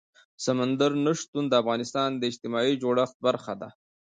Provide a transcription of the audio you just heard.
سمندر نه شتون د افغانستان د اجتماعي جوړښت برخه ده.